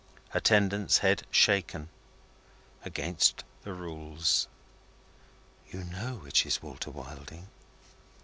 Attendant's head shaken. Against the rules. "You know which is Walter Wilding?"